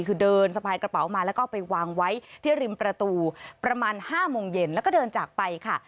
คือเดินสะพายกระเป๋ามาแล้วก็ไปวางไว้ที่ริมประตูประมาณ๕โมงเย็นแล้วก็เดินจากไปค่ะ